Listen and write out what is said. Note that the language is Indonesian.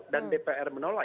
dan dpr menolak